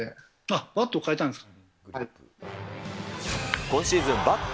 あ、バットを変えたんですか。